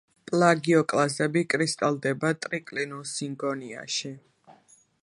პლაგიოკლაზები კრისტალდება ტრიკლინურ სინგონიაში.